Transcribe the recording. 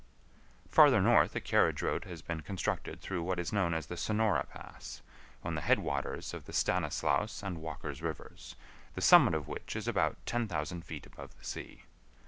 Farther north a carriage road has been constructed through what is known as the Sonora Pass, on the head waters of the Stanislaus and Walker's rivers, the summit of which is about 10,000 feet above the sea.